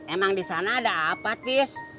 emang di sana ada apa tis